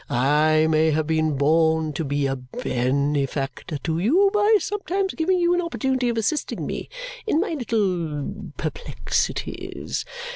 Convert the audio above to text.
I may have been born to be a benefactor to you by sometimes giving you an opportunity of assisting me in my little perplexities.